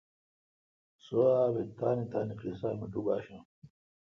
سواب تان تان قیسا می ڈوب آشاں۔